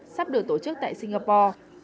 sắp được tổ chức tại singapore